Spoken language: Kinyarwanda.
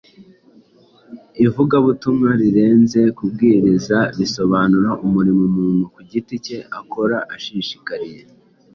ivugabutumwa rirenze kubwiriza; bisobanura umurimo umuntu ku giti cye akora ashishikariye.